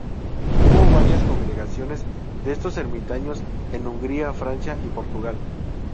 Hubo varias congregaciones de estos ermitaños en Hungría, Francia y Portugal.